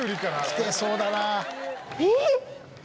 来てそうだな！